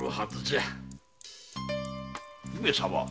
上様。